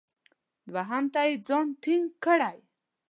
دوهم ته یې ځان ټینګ کړی.